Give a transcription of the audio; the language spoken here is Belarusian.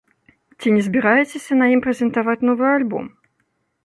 Ці не збіраецеся на ім прэзентаваць новы альбом?